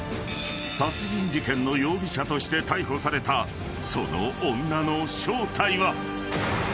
［殺人事件の容疑者として逮捕されたその女の正体は］